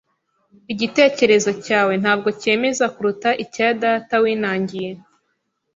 Igitekerezo cyawe ntabwo cyemeza kuruta icya data winangiye.